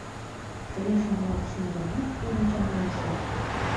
Тыге шоналтышым гынат, тудым чаманышым.